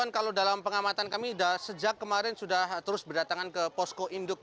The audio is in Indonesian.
kalau dalam pengamatan kami sejak kemarin sudah terus berdatangan ke posko induk